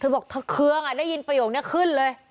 บอกเธอเคืองได้ยินประโยคนี้ขึ้นเลย